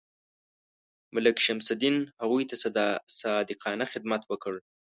ملک شمس الدین هغوی ته صادقانه خدمت وکړ.